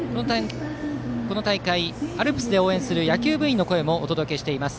この大会、アルプスで応援する野球部員の声もお届けしています。